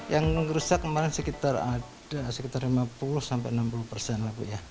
yang rusak kemarin sekitar ada sekitar lima puluh sampai enam puluh persen lah bu ya